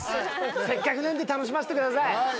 せっかくなんで楽しませてください